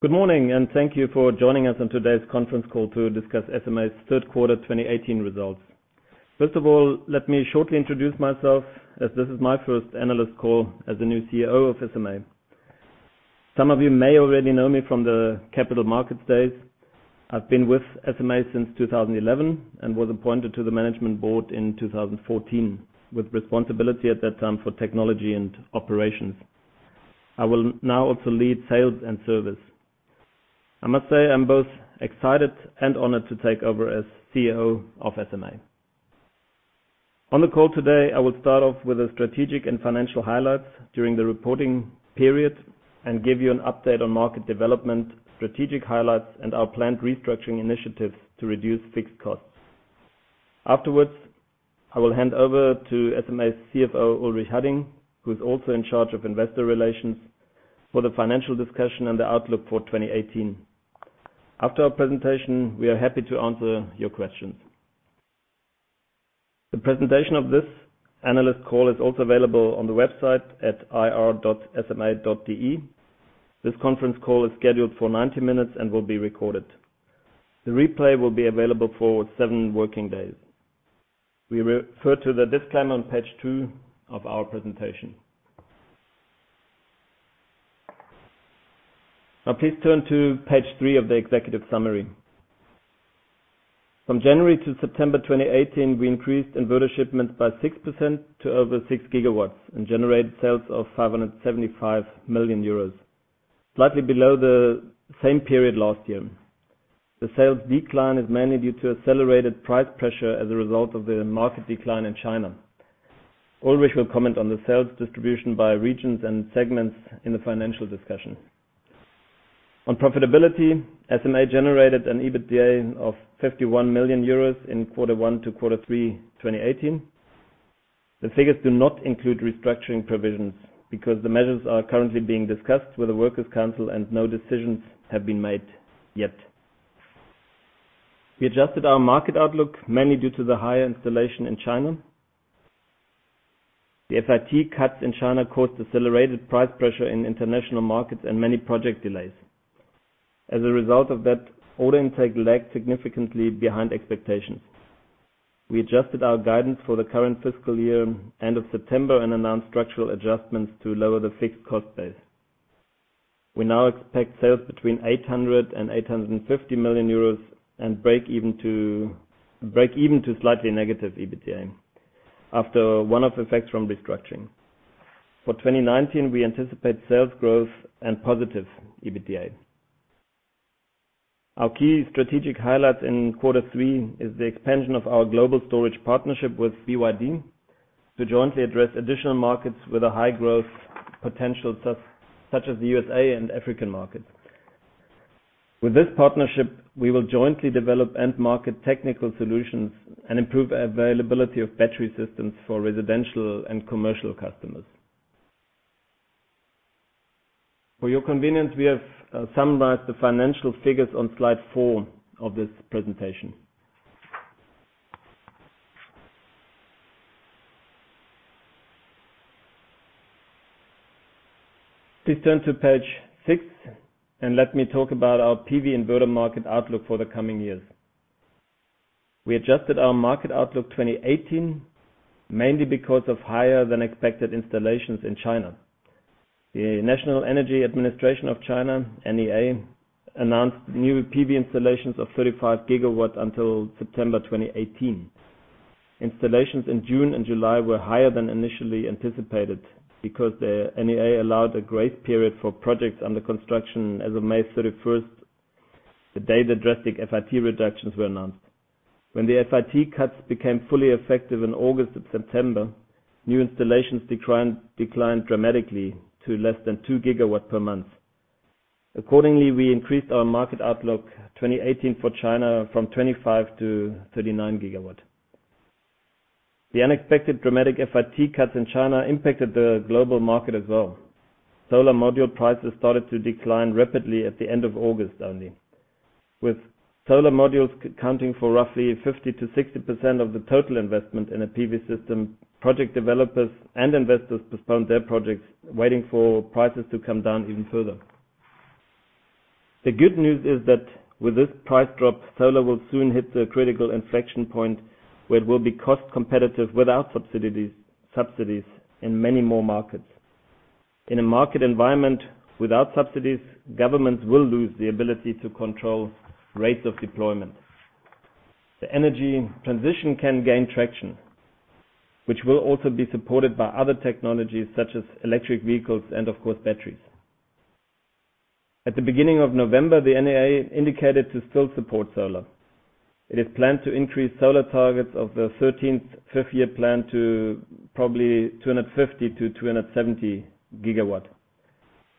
Good morning, and thank you for joining us on today's conference call to discuss SMA's third quarter 2018 results. First of all, let me shortly introduce myself as this is my first analyst call as the new CEO of SMA. Some of you may already know me from the Capital Markets Day. I've been with SMA since 2011 and was appointed to the management board in 2014, with responsibility at that time for technology and operations. I will now also lead sales and service. I must say I'm both excited and honored to take over as CEO of SMA. On the call today, I will start off with the strategic and financial highlights during the reporting period and give you an update on market development, strategic highlights, and our planned restructuring initiatives to reduce fixed costs. Afterwards, I will hand over to SMA's CFO, Ulrich Hadding, who's also in charge of investor relations for the financial discussion and the outlook for 2018. After our presentation, we are happy to answer your questions. The presentation of this analyst call is also available on the website at ir.sma.de. This conference call is scheduled for 90 minutes and will be recorded. The replay will be available for seven working days. We refer to the disclaimer on page two of our presentation. Now please turn to page three of the executive summary. From January to September 2018, we increased inverter shipments by 6% to over six gigawatts and generated sales of 575 million euros, slightly below the same period last year. The sales decline is mainly due to accelerated price pressure as a result of the market decline in China. Ulrich will comment on the sales distribution by regions and segments in the financial discussion. On profitability, SMA generated an EBITDA of 51 million euros in quarter one to quarter three 2018. The figures do not include restructuring provisions because the measures are currently being discussed with the workers' council and no decisions have been made yet. We adjusted our market outlook mainly due to the higher installation in China. The FIT cuts in China caused accelerated price pressure in international markets and many project delays. As a result of that, order intake lagged significantly behind expectations. We adjusted our guidance for the current fiscal year end of September and announced structural adjustments to lower the fixed cost base. We now expect sales between 800 million euros and 850 million euros and break even to slightly negative EBITDA after one-off effects from restructuring. For 2019, we anticipate sales growth and positive EBITDA. Our key strategic highlights in quarter three is the expansion of our global storage partnership with BYD to jointly address additional markets with a high growth potential, such as the USA and African markets. With this partnership, we will jointly develop end market technical solutions and improve availability of battery systems for residential and commercial customers. For your convenience, we have summarized the financial figures on slide four of this presentation. Please turn to page six and let me talk about our PV inverter market outlook for the coming years. We adjusted our market outlook 2018 mainly because of higher than expected installations in China. The National Energy Administration of China, NEA, announced new PV installations of 35 gigawatts until September 2018. Installations in June and July were higher than initially anticipated because the NEA allowed a grace period for projects under construction as of May 31st, the day the drastic FIT reductions were announced. When the FIT cuts became fully effective in August and September, new installations declined dramatically to less than two gigawatts per month. Accordingly, we increased our market outlook 2018 for China from 25 to 39 gigawatts. The unexpected dramatic FIT cuts in China impacted the global market as well. Solar module prices started to decline rapidly at the end of August only. With solar modules accounting for roughly 50%-60% of the total investment in a PV system, project developers and investors postponed their projects, waiting for prices to come down even further. The good news is that with this price drop, solar will soon hit the critical inflection point where it will be cost competitive without subsidies in many more markets. In a market environment without subsidies, governments will lose the ability to control rates of deployment. The energy transition can gain traction, which will also be supported by other technologies such as electric vehicles and of course, batteries. At the beginning of November, the NEA indicated to still support solar. It is planned to increase solar targets of the 13th Five-Year Plan to probably 250 to 270 gigawatts.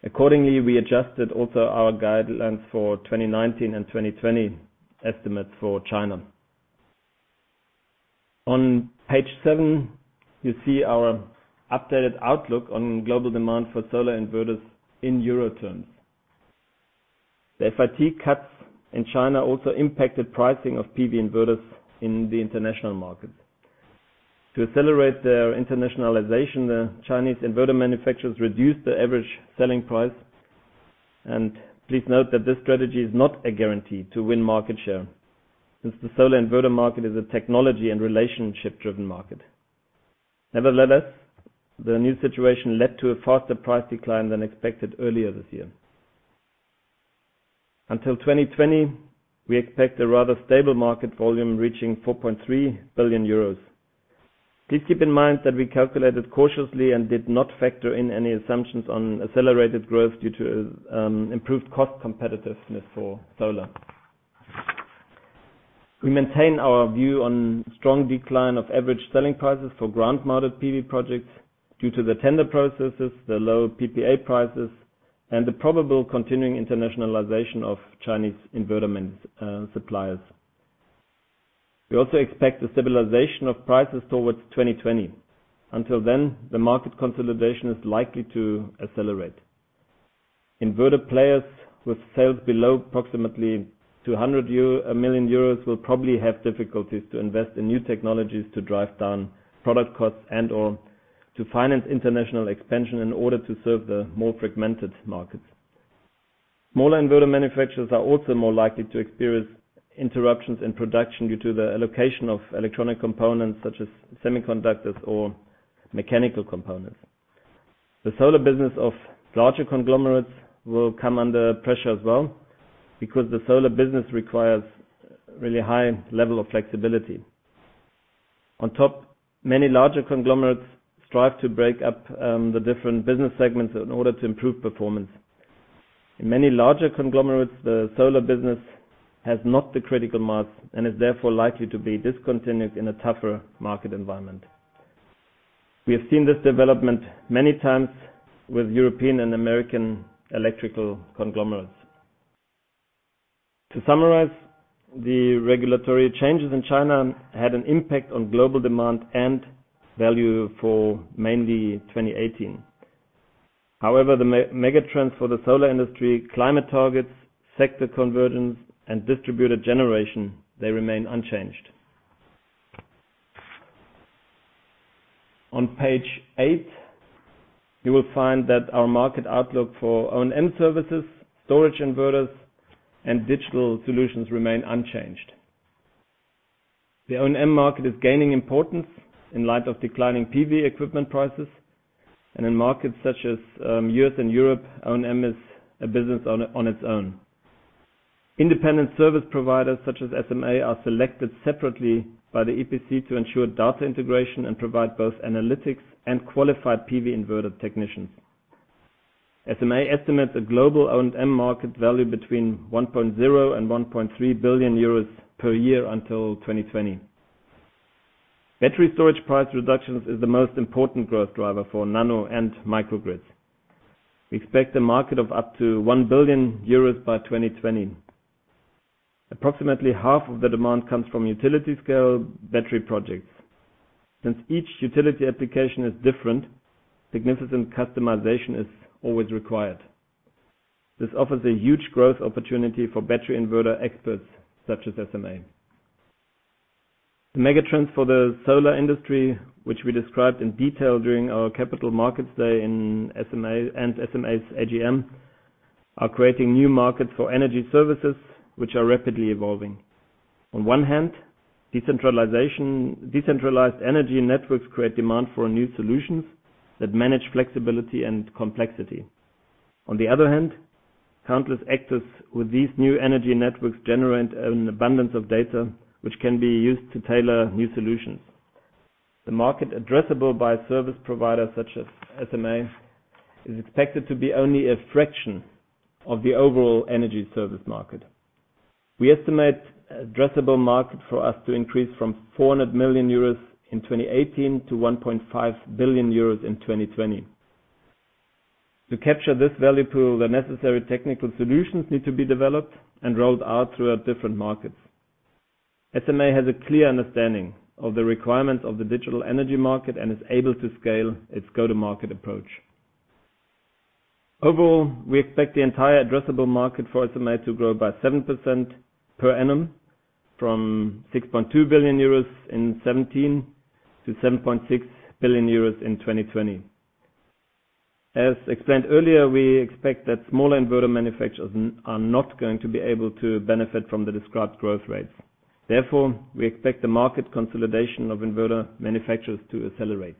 Accordingly, we adjusted also our guidelines for 2019 and 2020 estimates for China. On page seven, you see our updated outlook on global demand for solar inverters in EUR terms. The FIT cuts in China also impacted pricing of PV inverters in the international market. To accelerate their internationalization, the Chinese inverter manufacturers reduced the average selling price. Please note that this strategy is not a guarantee to win market share, since the solar inverter market is a technology and relationship-driven market. Nevertheless, the new situation led to a faster price decline than expected earlier this year. Until 2020, we expect a rather stable market volume reaching 4.3 billion euros. Please keep in mind that we calculated cautiously and did not factor in any assumptions on accelerated growth due to improved cost competitiveness for solar. We maintain our view on strong decline of average selling prices for ground-mounted PV projects due to the tender processes, the low PPA prices, and the probable continuing internationalization of Chinese inverter suppliers. We also expect the stabilization of prices towards 2020. Until then, the market consolidation is likely to accelerate. Inverter players with sales below approximately 200 million euros will probably have difficulties to invest in new technologies to drive down product costs and/or to finance international expansion in order to serve the more fragmented markets. Smaller inverter manufacturers are also more likely to experience interruptions in production due to the allocation of electronic components such as semiconductors or mechanical components. The solar business of larger conglomerates will come under pressure as well, because the solar business requires really high level of flexibility. On top, many larger conglomerates strive to break up the different business segments in order to improve performance. In many larger conglomerates, the solar business has not the critical mass and is therefore likely to be discontinued in a tougher market environment. We have seen this development many times with European and American electrical conglomerates. To summarize, the regulatory changes in China had an impact on global demand and value for mainly 2018. The mega trends for the solar industry climate targets, sector convergence, and distributed generation, they remain unchanged. On page eight, you will find that our market outlook for O&M services, storage inverters, and digital solutions remain unchanged. The O&M market is gaining importance in light of declining PV equipment prices, and in markets such as U.S. and Europe, O&M is a business on its own. Independent service providers such as SMA are selected separately by the EPC to ensure data integration and provide both analytics and qualified PV inverter technicians. SMA estimates a global O&M market value between 1.0 billion and 1.3 billion euros per year until 2020. Battery storage price reductions is the most important growth driver for nano and microgrids. We expect a market of up to 1 billion euros by 2020. Approximately half of the demand comes from utility-scale battery projects. Since each utility application is different, significant customization is always required. This offers a huge growth opportunity for battery inverter experts such as SMA. The mega trends for the solar industry, which we described in detail during our Capital Markets Day and SMA's AGM, are creating new markets for energy services, which are rapidly evolving. On one hand, decentralized energy networks create demand for new solutions that manage flexibility and complexity. On the other hand, countless actors with these new energy networks generate an abundance of data, which can be used to tailor new solutions. The market addressable by service providers such as SMA is expected to be only a fraction of the overall energy service market. We estimate addressable market for us to increase from 400 million euros in 2018 to 1.5 billion euros in 2020. To capture this value pool, the necessary technical solutions need to be developed and rolled out throughout different markets. SMA has a clear understanding of the requirements of the digital energy market and is able to scale its go-to-market approach. Overall, we expect the entire addressable market for SMA to grow by 7% per annum, from 6.2 billion euros in 2017 to 7.6 billion euros in 2020. As explained earlier, we expect that smaller inverter manufacturers are not going to be able to benefit from the described growth rates. We expect the market consolidation of inverter manufacturers to accelerate.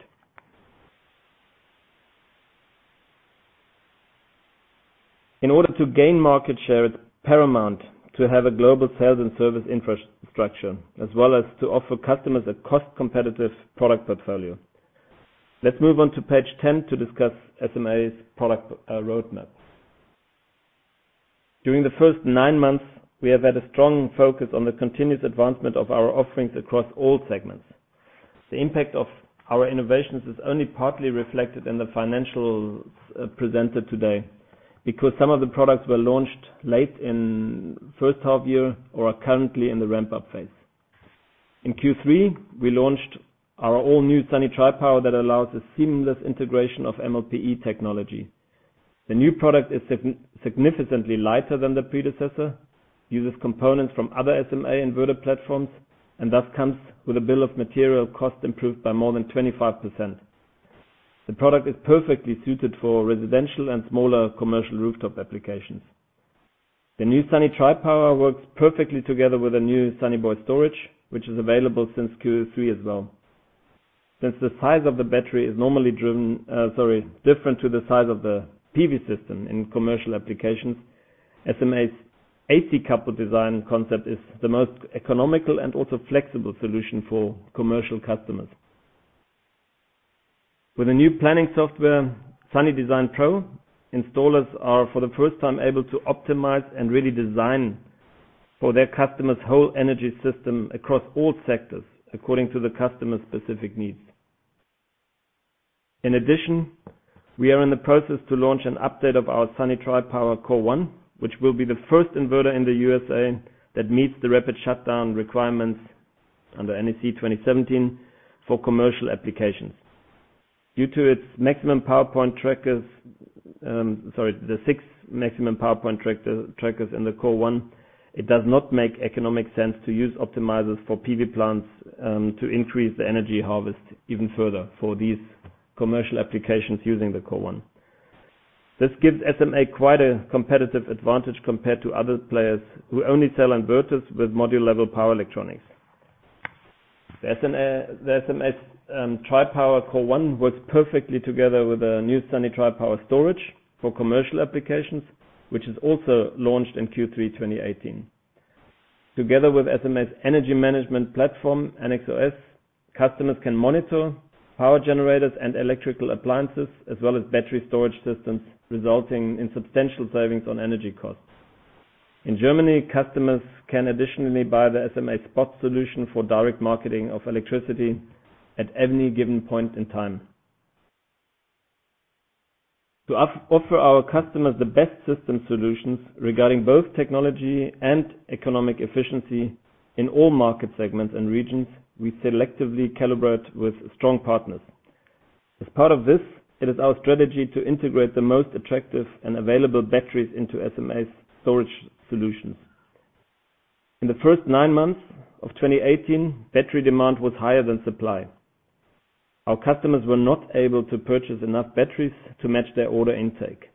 In order to gain market share, it's paramount to have a global sales and service infrastructure, as well as to offer customers a cost-competitive product portfolio. Let's move on to page 10 to discuss SMA's product roadmap. During the first nine months, we have had a strong focus on the continuous advancement of our offerings across all segments. The impact of our innovations is only partly reflected in the financials presented today, because some of the products were launched late in first half year or are currently in the ramp-up phase. In Q3, we launched our all-new Sunny Tripower that allows the seamless integration of MLPE technology. The new product is significantly lighter than the predecessor, uses components from other SMA inverter platforms, and thus comes with a bill of material cost improved by more than 25%. The product is perfectly suited for residential and smaller commercial rooftop applications. The new Sunny Tripower works perfectly together with the new Sunny Boy Storage, which is available since Q3 as well. Since the size of the battery is normally different to the size of the PV system in commercial applications, SMA's AC coupled design concept is the most economical and also flexible solution for commercial customers. With the new planning software, Sunny Design Pro, installers are for the first time able to optimize and really design for their customers' whole energy system across all sectors according to the customer's specific needs. In addition, we are in the process to launch an update of our Sunny Tripower CORE1, which will be the first inverter in the U.S.A. that meets the rapid shutdown requirements under NEC 2017 for commercial applications. Due to the six Maximum Power Point trackers in the CORE1, it does not make economic sense to use optimizers for PV plants to increase the energy harvest even further for these commercial applications using the CORE1. This gives SMA quite a competitive advantage compared to other players who only sell inverters with module-level power electronics. The Sunny Tripower CORE1 works perfectly together with the new Sunny Tripower Storage for commercial applications, which is also launched in Q3 2018. Together with SMA's energy management platform, ennexOS, customers can monitor power generators and electrical appliances, as well as battery storage systems, resulting in substantial savings on energy costs. In Germany, customers can additionally buy the SMA SPOT solution for direct marketing of electricity at any given point in time. To offer our customers the best system solutions regarding both technology and economic efficiency in all market segments and regions, we selectively calibrate with strong partners. As part of this, it is our strategy to integrate the most attractive and available batteries into SMA's storage solutions. In the first nine months of 2018, battery demand was higher than supply. Our customers were not able to purchase enough batteries to match their order intake.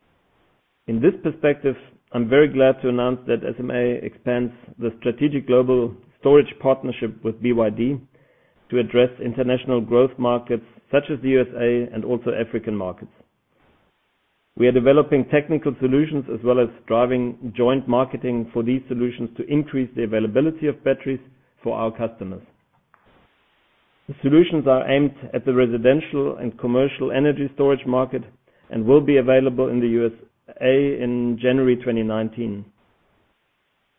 In this perspective, I'm very glad to announce that SMA expands the strategic global storage partnership with BYD to address international growth markets such as the U.S.A. and also African markets. We are developing technical solutions as well as driving joint marketing for these solutions to increase the availability of batteries for our customers. The solutions are aimed at the residential and commercial energy storage market and will be available in the U.S.A. in January 2019.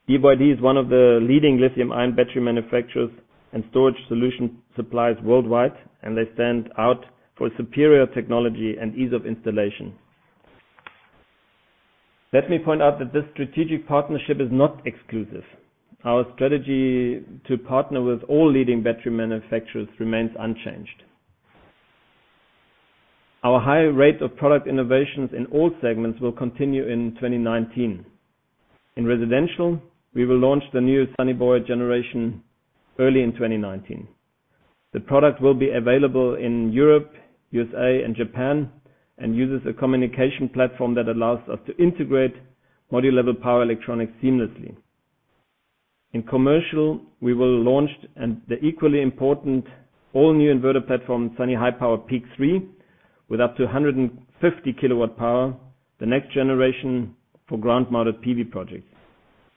BYD is one of the leading lithium-ion battery manufacturers and storage solution suppliers worldwide, and they stand out for superior technology and ease of installation. Let me point out that this strategic partnership is not exclusive. Our strategy to partner with all leading battery manufacturers remains unchanged. Our high rate of product innovations in all segments will continue in 2019. In residential, we will launch the new Sunny Boy generation early in 2019. The product will be available in Europe, U.S.A., and Japan and uses a communication platform that allows us to integrate module-level power electronics seamlessly. In commercial, we will launch the equally important all-new inverter platform, Sunny Highpower PEAK3, with up to 150 kW power, the next generation for ground-mounted PV projects.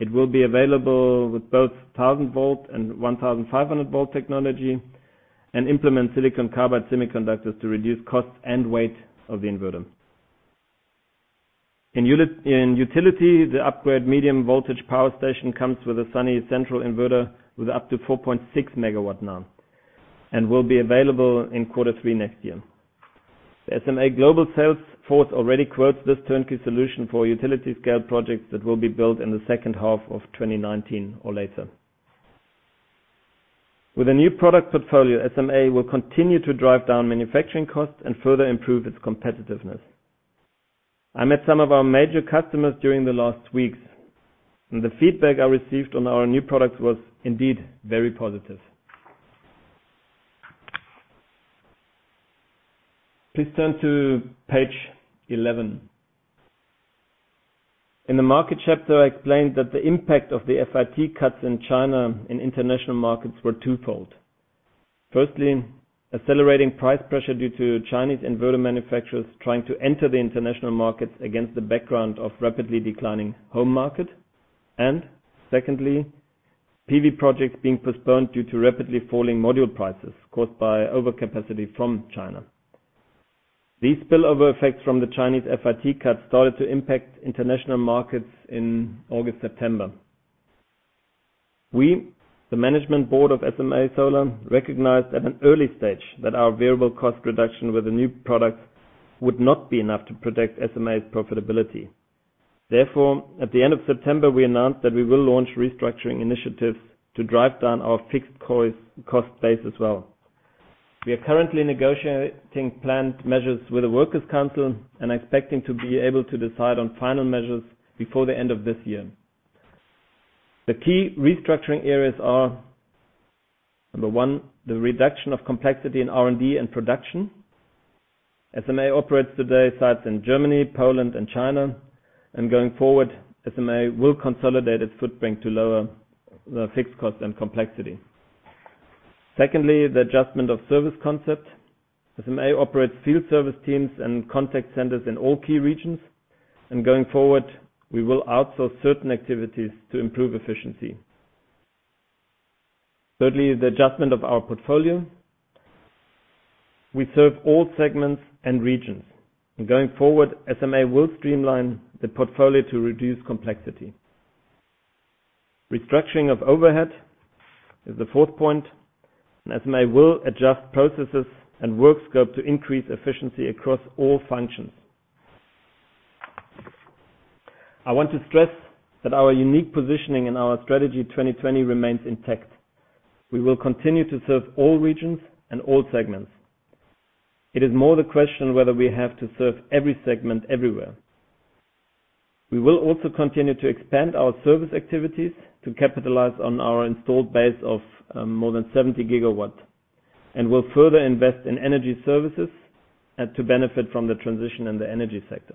It will be available with both 1,000 V and 1,500 V technology and implement silicon carbide semiconductors to reduce cost and weight of the inverter. In utility, the upgrade medium voltage power station comes with a Sunny Central inverter with up to 4.6 MW now and will be available in Q3 next year. The SMA global sales force already quotes this turnkey solution for utility-scale projects that will be built in the second half of 2019 or later. With a new product portfolio, SMA will continue to drive down manufacturing costs and further improve its competitiveness. I met some of our major customers during the last weeks, and the feedback I received on our new products was indeed very positive. Please turn to page 11. In the market chapter, I explained that the impact of the FIT cuts in China and international markets were twofold. Firstly, accelerating price pressure due to Chinese inverter manufacturers trying to enter the international markets against the background of rapidly declining home market. And secondly, PV projects being postponed due to rapidly falling module prices caused by overcapacity from China. These spillover effects from the Chinese FIT cuts started to impact international markets in August, September. We, the management board of SMA Solar, recognized at an early stage that our variable cost reduction with the new products would not be enough to protect SMA's profitability. Therefore, at the end of September, we announced that we will launch restructuring initiatives to drive down our fixed cost base as well. We are currently negotiating planned measures with the workers' council and expecting to be able to decide on final measures before the end of this year. The key restructuring areas are, number one, the reduction of complexity in R&D and production. SMA operates today sites in Germany, Poland and China, and going forward, SMA will consolidate its footprint to lower the fixed cost and complexity. Secondly, the adjustment of service concept. SMA operates field service teams and contact centers in all key regions, and going forward, we will outsource certain activities to improve efficiency. Thirdly, the adjustment of our portfolio. We serve all segments and regions, and going forward, SMA will streamline the portfolio to reduce complexity. Restructuring of overhead is the fourth point, and SMA will adjust processes and work scope to increase efficiency across all functions. I want to stress that our unique positioning and our Strategy 2020 remains intact. We will continue to serve all regions and all segments. It is more the question whether we have to serve every segment everywhere. We will also continue to expand our service activities to capitalize on our installed base of more than 70 gigawatts, and will further invest in energy services and to benefit from the transition in the energy sector.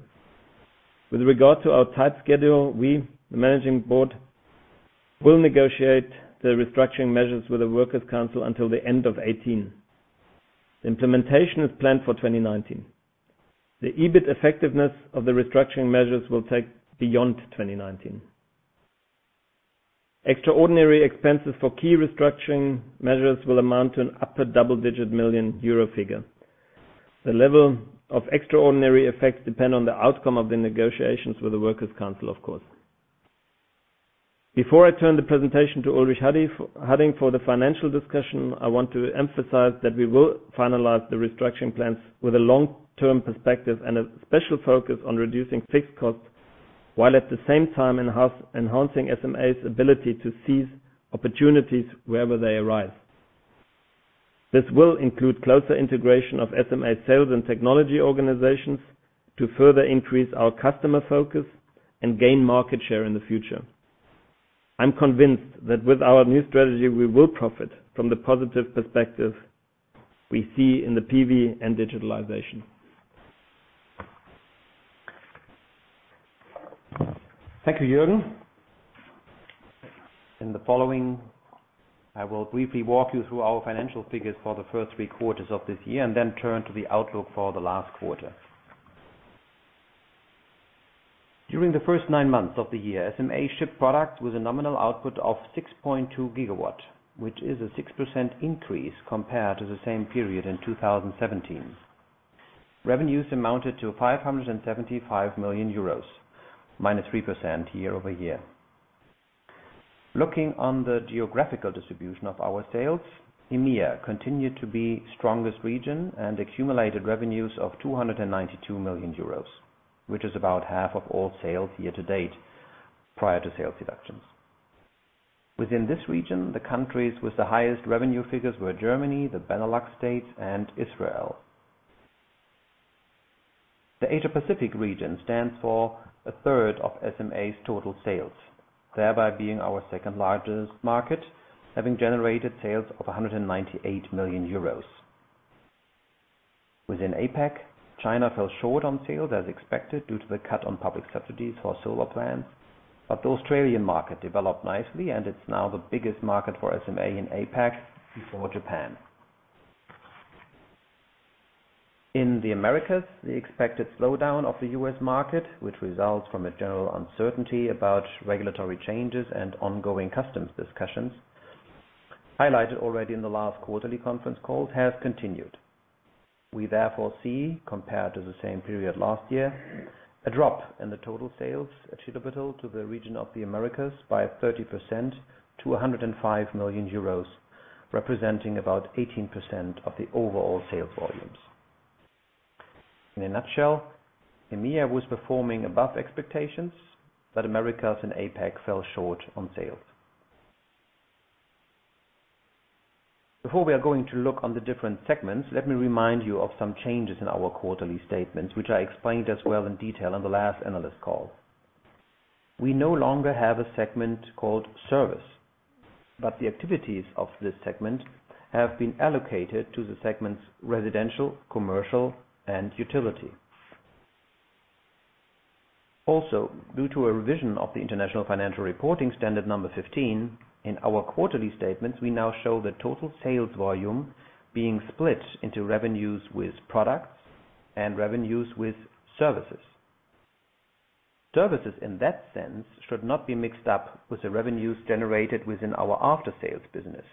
With regard to our tight schedule, we, the managing board, will negotiate the restructuring measures with the workers' council until the end of 2018. The implementation is planned for 2019. The EBIT effectiveness of the restructuring measures will take beyond 2019. Extraordinary expenses for key restructuring measures will amount to an upper double-digit million EUR figure. The level of extraordinary effects depend on the outcome of the negotiations with the workers' council, of course. Before I turn the presentation to Ulrich Hadding for the financial discussion, I want to emphasize that we will finalize the restructuring plans with a long-term perspective and a special focus on reducing fixed costs, while at the same time enhancing SMA's ability to seize opportunities wherever they arise. This will include closer integration of SMA sales and technology organizations to further increase our customer focus and gain market share in the future. I'm convinced that with our new strategy, we will profit from the positive perspective we see in the PV and digitalization. Thank you, Jürgen. In the following, I will briefly walk you through our financial figures for the first three quarters of this year and then turn to the outlook for the last quarter. During the first nine months of the year, SMA shipped products with a nominal output of 6.2 GW, which is a 6% increase compared to the same period in 2017. Revenues amounted to EUR 575 million, -3% year-over-year. Looking on the geographical distribution of our sales, EMEA continued to be strongest region and accumulated revenues of 292 million euros, which is about half of all sales year-to-date, prior to sales reductions. Within this region, the countries with the highest revenue figures were Germany, the Benelux states, and Israel. The Asia-Pacific region stands for 1/3 of SMA's total sales, thereby being our second-largest market, having generated sales of 198 million euros. Within APAC, China fell short on sales as expected due to the cut on public subsidies for solar plants. The Australian market developed nicely, and it's now the biggest market for SMA in APAC before Japan. In the Americas, the expected slowdown of the U.S. market, which results from a general uncertainty about regulatory changes and ongoing customs discussions, highlighted already in the last quarterly conference call, has continued. We therefore see, compared to the same period last year, a drop in the total sales, little by little, to the region of the Americas by 30% to 105 million euros, representing about 18% of the overall sales volumes. In a nutshell, EMEA was performing above expectations. Americas and APAC fell short on sales. Before we are going to look on the different segments, let me remind you of some changes in our quarterly statements, which I explained as well in detail on the last analyst call. We no longer have a segment called service, but the activities of this segment have been allocated to the segments residential, commercial, and utility. Also, due to a revision of the International Financial Reporting Standard number 15, in our quarterly statements, we now show the total sales volume being split into revenues with products and revenues with services. Services in that sense should not be mixed up with the revenues generated within our after-sales business,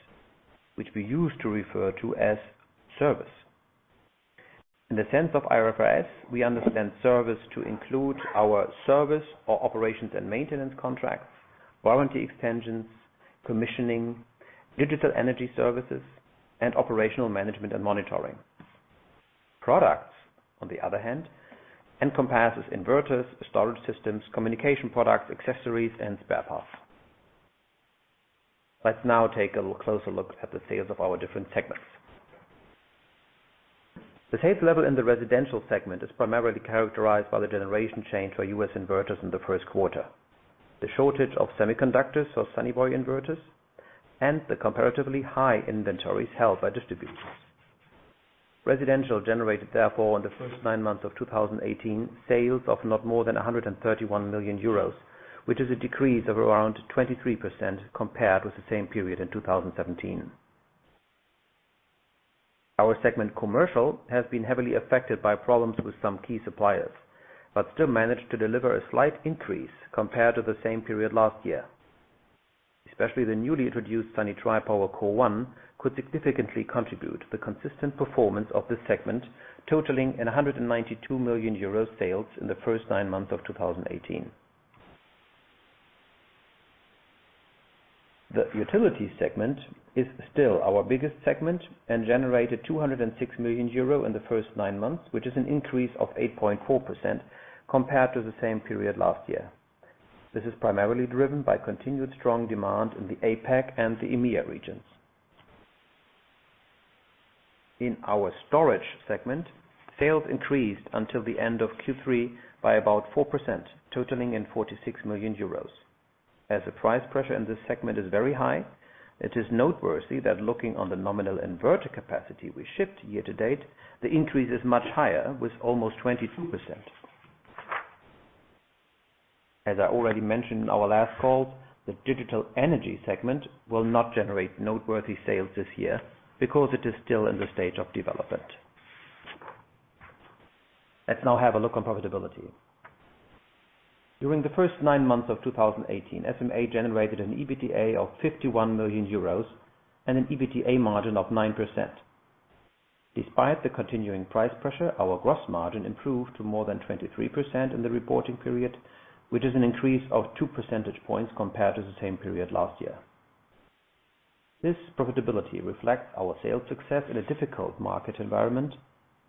which we used to refer to as service. In the sense of IFRS, we understand service to include our service or operations and maintenance contracts, warranty extensions, commissioning, digital energy services, and operational management and monitoring. Products, on the other hand, encompasses inverters, storage systems, communication products, accessories, and spare parts. Let's now take a closer look at the sales of our different segments. The sales level in the residential segment is primarily characterized by the generation change for U.S. inverters in the first quarter. The shortage of semiconductors for Sunny Boy inverters and the comparatively high inventories held by distributors. Residential generated therefore in the first nine months of 2018, sales of not more than 131 million euros, which is a decrease of around 23% compared with the same period in 2017. Our segment commercial has been heavily affected by problems with some key suppliers, but still managed to deliver a slight increase compared to the same period last year. Especially the newly introduced Sunny Tripower CORE1 could significantly contribute to the consistent performance of this segment, totaling in 192 million euro sales in the first nine months of 2018. The utility segment is still our biggest segment and generated 206 million euro in the first nine months, which is an increase of 8.4% compared to the same period last year. This is primarily driven by continued strong demand in the APAC and the EMEA regions. In our storage segment, sales increased until the end of Q3 by about 4%, totaling in 46 million euros. As the price pressure in this segment is very high, it is noteworthy that looking on the nominal inverter capacity we shipped year to date, the increase is much higher with almost 22%. As I already mentioned in our last call, the digital energy segment will not generate noteworthy sales this year because it is still in the stage of development. Let's now have a look on profitability. During the first nine months of 2018, SMA generated an EBITDA of 51 million euros and an EBITDA margin of 9%. Despite the continuing price pressure, our gross margin improved to more than 23% in the reporting period, which is an increase of two percentage points compared to the same period last year. This profitability reflects our sales success in a difficult market environment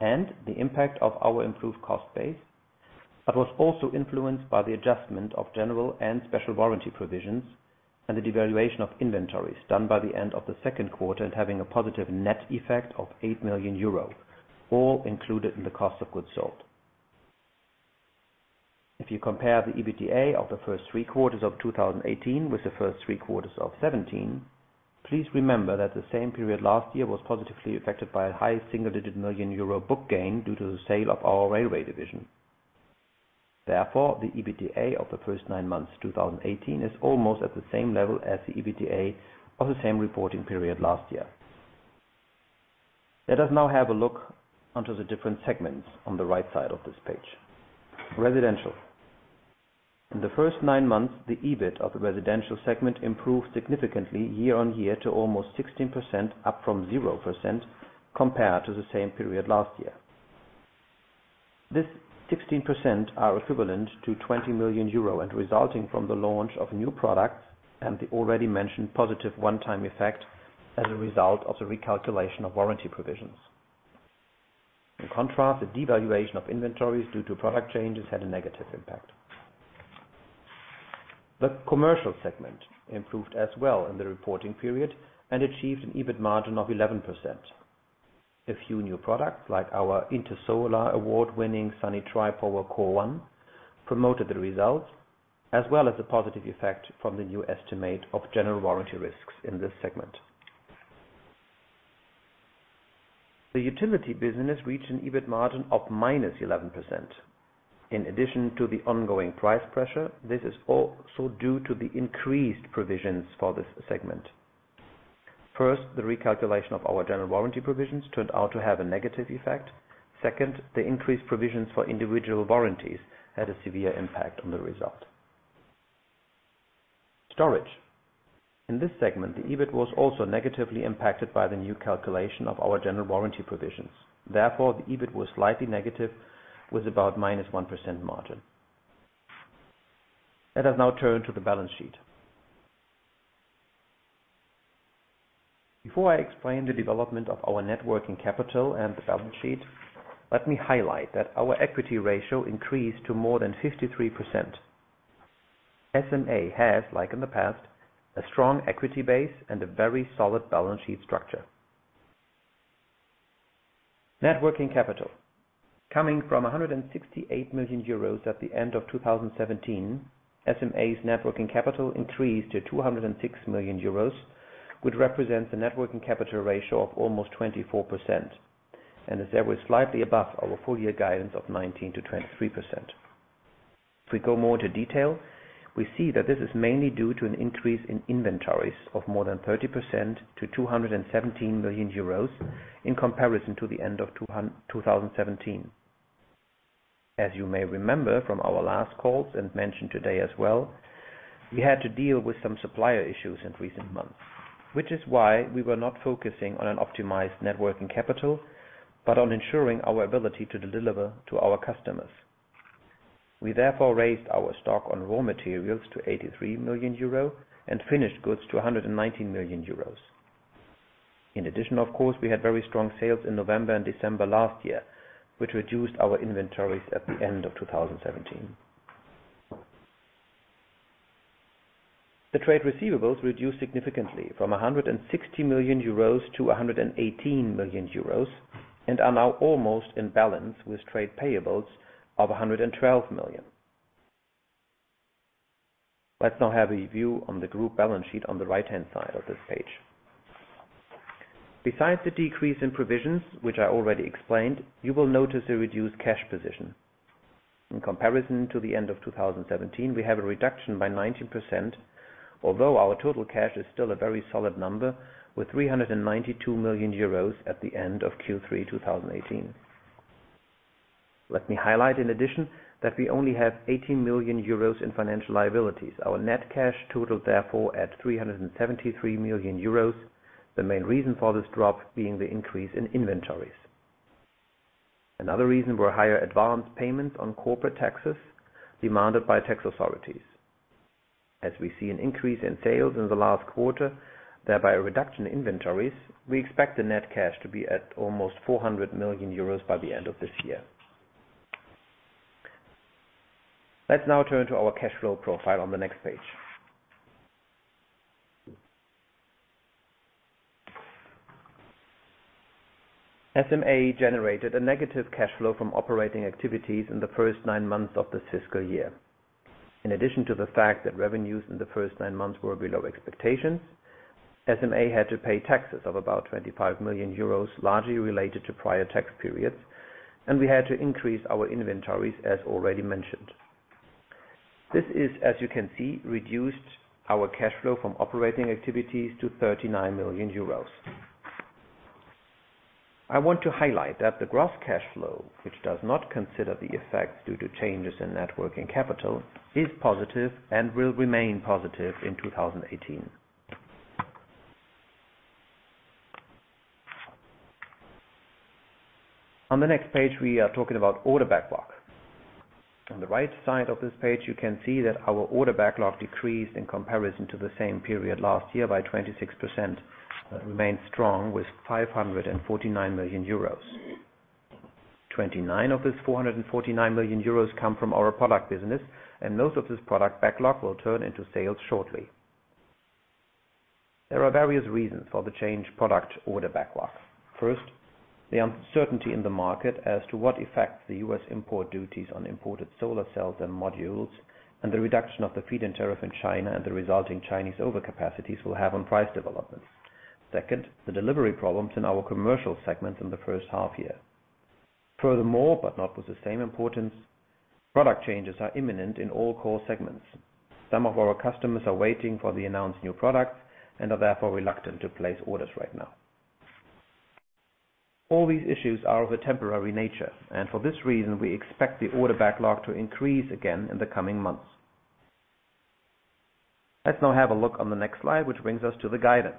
and the impact of our improved cost base, was also influenced by the adjustment of general and special warranty provisions and the devaluation of inventories done by the end of the second quarter and having a positive net effect of 8 million euro, all included in the cost of goods sold. If you compare the EBITDA of the first three quarters of 2018 with the first three quarters of 2017, please remember that the same period last year was positively affected by a high single-digit million euro book gain due to the sale of our railway division. The EBITDA of the first nine months 2018 is almost at the same level as the EBITDA of the same reporting period last year. Let us now have a look onto the different segments on the right side of this page. Residential. In the first nine months, the EBIT of the residential segment improved significantly year-on-year to almost 16% up from 0% compared to the same period last year. This 16% are equivalent to 20 million euro and resulting from the launch of new products and the already mentioned positive one-time effect as a result of the recalculation of warranty provisions. In contrast, the devaluation of inventories due to product changes had a negative impact. The commercial segment improved as well in the reporting period and achieved an EBIT margin of 11%. A few new products like our Intersolar award-winning Sunny Tripower CORE1 promoted the results, as well as a positive effect from the new estimate of general warranty risks in this segment. The utility business reached an EBIT margin of -11%. In addition to the ongoing price pressure, this is also due to the increased provisions for this segment. First, the recalculation of our general warranty provisions turned out to have a negative effect. Second, the increased provisions for individual warranties had a severe impact on the result. Storage. In this segment, the EBIT was also negatively impacted by the new calculation of our general warranty provisions. The EBIT was slightly negative with about -1% margin. Let us now turn to the balance sheet. Before I explain the development of our net working capital and the balance sheet, let me highlight that our equity ratio increased to more than 53%. SMA has, like in the past, a strong equity base and a very solid balance sheet structure. Net working capital. Coming from 168 million euros at the end of 2017, SMA's net working capital increased to 206 million euros, which represents the net working capital ratio of almost 24%, and is ever slightly above our full year guidance of 19%-23%. If we go more into detail, we see that this is mainly due to an increase in inventories of more than 30% to 217 million euros in comparison to the end of 2017. As you may remember from our last calls and mentioned today as well, we had to deal with some supplier issues in recent months, which is why we were not focusing on an optimized net working capital, but on ensuring our ability to deliver to our customers. We therefore raised our stock on raw materials to 83 million euro and finished goods to 119 million euros. In addition, of course, we had very strong sales in November and December last year, which reduced our inventories at the end of 2017. The trade receivables reduced significantly from 160 million euros to 118 million euros and are now almost in balance with trade payables of 112 million. Let's now have a view on the group balance sheet on the right-hand side of this page. Besides the decrease in provisions, which I already explained, you will notice a reduced cash position. In comparison to the end of 2017, we have a reduction by 90%, although our total cash is still a very solid number with 392 million euros at the end of Q3 2018. Let me highlight in addition that we only have 80 million euros in financial liabilities. Our net cash totals therefore at 373 million euros. The main reason for this drop being the increase in inventories. Another reason were higher advanced payments on corporate taxes demanded by tax authorities. As we see an increase in sales in the last quarter, thereby a reduction in inventories, we expect the net cash to be at almost 400 million euros by the end of this year. Let's now turn to our cash flow profile on the next page. SMA generated a negative cash flow from operating activities in the first nine months of this fiscal year. In addition to the fact that revenues in the first nine months were below expectations, SMA had to pay taxes of about 25 million euros, largely related to prior tax periods, and we had to increase our inventories as already mentioned. This is, as you can see, reduced our cash flow from operating activities to 39 million euros. I want to highlight that the gross cash flow, which does not consider the effects due to changes in net working capital, is positive and will remain positive in 2018. On the next page, we are talking about order backlog. On the right side of this page, you can see that our order backlog decreased in comparison to the same period last year by 26%, but remains strong with 549 million euros. 29 million of this 449 million euros come from our product business. Most of this product backlog will turn into sales shortly. There are various reasons for the change product order backlog. First, the uncertainty in the market as to what effect the U.S. import duties on imported solar cells and modules and the reduction of the feed-in tariff in China and the resulting Chinese overcapacities will have on price developments. Second, the delivery problems in our commercial segment in the first half-year. Furthermore, but not with the same importance, product changes are imminent in all core segments. Some of our customers are waiting for the announced new products and are therefore reluctant to place orders right now. All these issues are of a temporary nature, and for this reason, we expect the order backlog to increase again in the coming months. Let's now have a look on the next slide, which brings us to the guidance.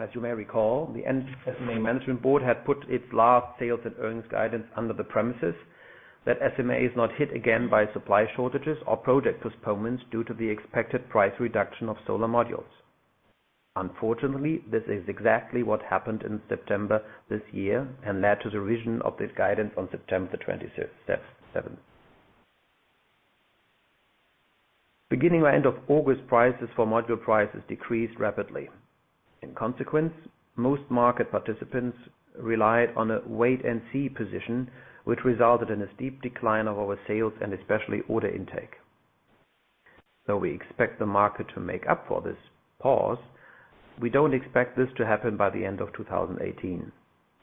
As you may recall, the SMA Management Board had put its last sales and earnings guidance under the premises that SMA is not hit again by supply shortages or project postponements due to the expected price reduction of solar modules. Unfortunately, this is exactly what happened in September this year and led to the revision of this guidance on September 27th. Beginning by end of August, module prices decreased rapidly. In consequence, most market participants relied on a wait-and-see position, which resulted in a steep decline of our sales and especially order intake. Though we expect the market to make up for this pause, we don't expect this to happen by the end of 2018.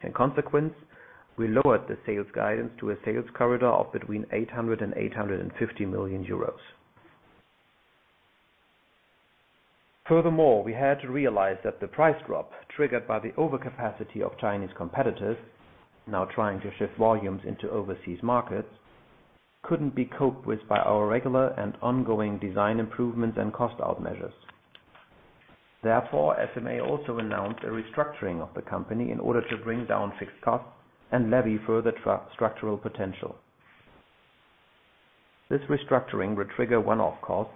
In consequence, we lowered the sales guidance to a sales corridor of between 800 million euros and 850 million euros. Furthermore, we had to realize that the price drop, triggered by the overcapacity of Chinese competitors, now trying to shift volumes into overseas markets, couldn't be coped with by our regular and ongoing design improvements and cost out measures. Therefore, SMA also announced a restructuring of the company in order to bring down fixed costs and levy further structural potential. This restructuring will trigger one-off costs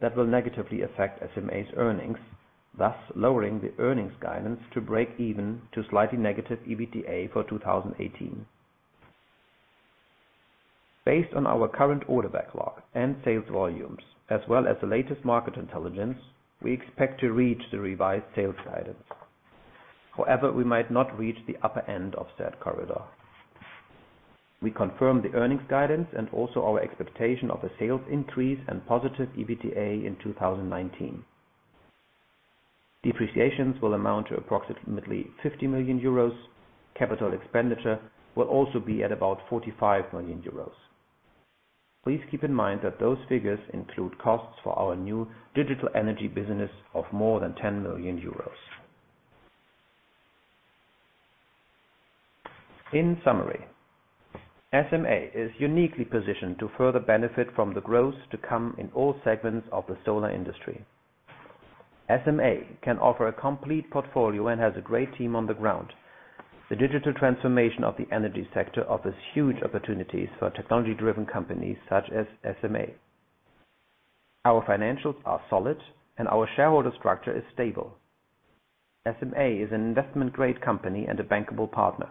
that will negatively affect SMA's earnings, thus lowering the earnings guidance to break even to slightly negative EBITDA for 2018. Based on our current order backlog and sales volumes, as well as the latest market intelligence, we expect to reach the revised sales guidance. However, we might not reach the upper end of said corridor. We confirm the earnings guidance and also our expectation of a sales increase and positive EBITDA in 2019. Depreciations will amount to approximately 50 million euros. Capital expenditure will also be at about 45 million euros. Please keep in mind that those figures include costs for our new digital energy business of more than 10 million euros. In summary, SMA is uniquely positioned to further benefit from the growth to come in all segments of the solar industry. SMA can offer a complete portfolio and has a great team on the ground. The digital transformation of the energy sector offers huge opportunities for technology-driven companies such as SMA. Our financials are solid, and our shareholder structure is stable. SMA is an investment-grade company and a bankable partner.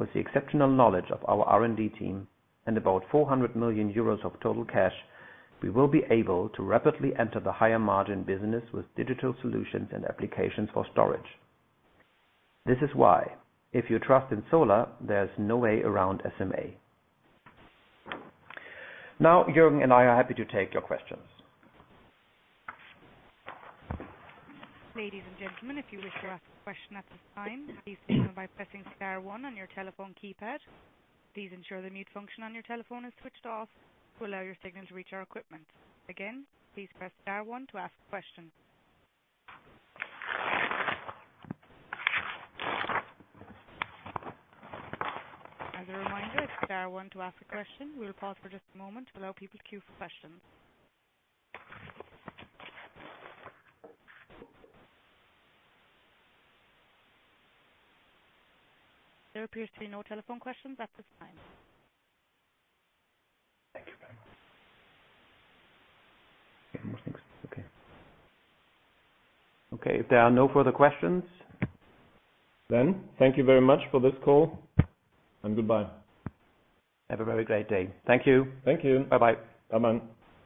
With the exceptional knowledge of our R&D team and about 400 million euros of total cash, we will be able to rapidly enter the higher margin business with digital solutions and applications for storage. This is why if you trust in solar, there's no way around SMA. Now, Jürgen and I are happy to take your questions. Ladies and gentlemen, if you wish to ask a question at this time, please signal by pressing star one on your telephone keypad. Please ensure the mute function on your telephone is switched off to allow your signal to reach our equipment. Again, please press star one to ask questions. As a reminder, star one to ask a question. We will pause for just a moment to allow people to queue for questions. There appears to be no telephone questions at this time. Thank you very much. Yeah, almost next. It is okay. If there are no further questions. Thank you very much for this call and goodbye. Have a very great day. Thank you. Thank you. Bye-bye. Bye-bye.